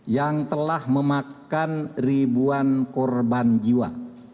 yang telah memakan ribuan korban jiwa